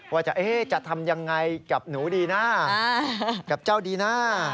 ว่าจะทำยังไงกับหนูดีนะกับเจ้าดีน่า